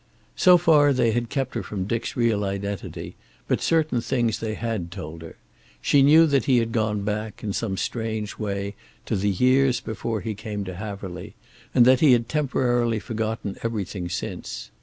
So far they had kept from her Dick's real identity, but certain things they had told her. She knew that he had gone back, in some strange way, to the years before he came to Haverly, and that he had temporarily forgotten everything since.